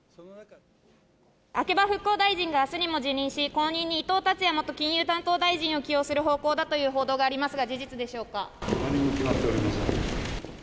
秋葉復興大臣があすにも辞任し、後任に伊藤達也元金融担当大臣を起用する方向だという報道があり何も決まっておりません。